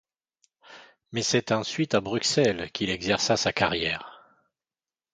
Mais c'est ensuite à Bruxelles qu'il exerça sa carrière.